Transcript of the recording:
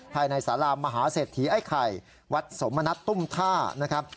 ภายในสารามหาเศรษฐีไอ้ไข่วัดสมณัฐตุ้มท่านะครับ